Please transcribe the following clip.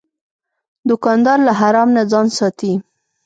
دوکاندار له حرام نه ځان ساتي.